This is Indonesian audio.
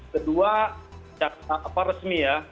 kedua resmi ya